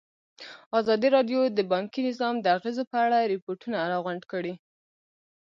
ازادي راډیو د بانکي نظام د اغېزو په اړه ریپوټونه راغونډ کړي.